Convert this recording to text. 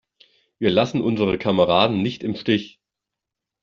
Wir lassen unsere Kameraden nicht im Stich!